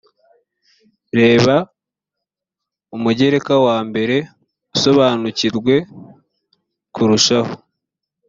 reba umugereka wambere usobanukirwe kurushaho